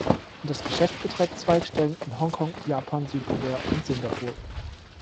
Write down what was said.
Das Geschäft betreibt Zweigstellen in Hongkong, Japan, Südkorea und Singapur.